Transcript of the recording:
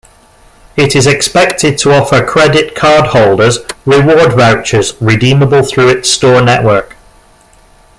It is expected to offer credit cardholders reward vouchers redeemable through its store network.